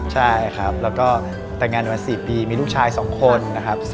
ใช่ครับแล้วก็แต่งงานกันมา๔ปีมีลูกชาย๒คนนะครับ